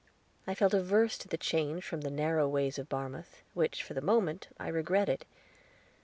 I felt averse to the change from the narrow ways of Barmouth, which, for the moment, I regretted.